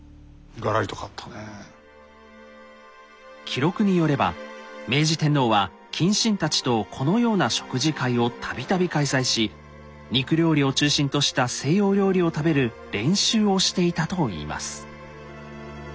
記録によれば明治天皇は近臣たちとこのような食事会を度々開催し肉料理を中心とした西洋料理を食べる練習をしていたといいます。